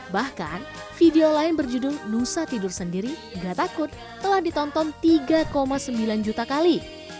bahkan video lain berjudul nusa tidur sendiri gak takut telah ditonton tiga sembilan juta kali